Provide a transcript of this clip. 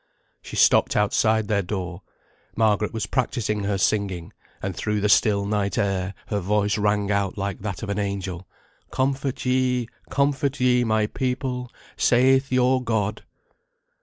She stopped outside their door. Margaret was practising her singing, and through the still night air her voice rang out like that of an angel. "Comfort ye, comfort ye, my people, saith your God."